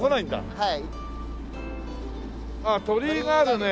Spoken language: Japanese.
はい。